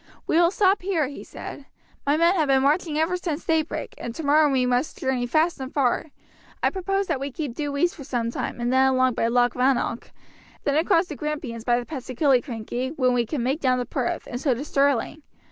"We will stop here," he said. "My men have been marching ever since daybreak, and tomorrow we must journey fast and far. I propose that we keep due east for some time and then along by Loch Rannoch, then across the Grampians by the pass of Killiecrankie, when we can make down to Perth, and so to Stirling.